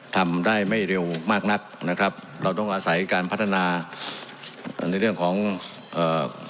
ทำได้ไม่เร็วมากนักนะครับเราต้องอาศัยการพัฒนาอ่าในเรื่องของเอ่อ